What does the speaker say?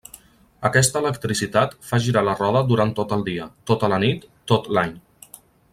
Aquesta electricitat fa girar la roda durant tot el dia, tota la nit, tot l'any.